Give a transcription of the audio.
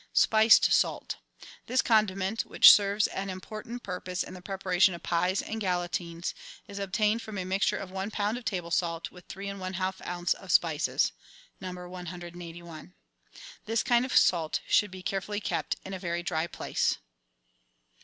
Spiced Salt. — This condiment, which serves an important purpose in the preparation of pies and galantines, is obtained from a mixture of one lb. of table salt with three and one half oz. of spices (No. 181). This kind of salt should be carefully kept in a very dry place.